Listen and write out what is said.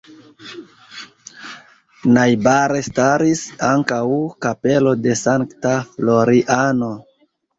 Najbare staris ankaŭ kapelo de Sankta Floriano.